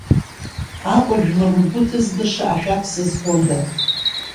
Аҟәа жәлар ргәы ҭызгаша ашәак сызҳәонда!